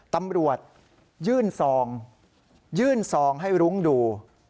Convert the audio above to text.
ตำรวจยื่นซองยื่นซองให้รุ้งดู